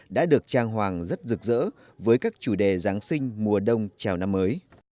đã được trang hoàng rất rực rỡ với các chủ đề giáng sinh mùa đông chào năm mới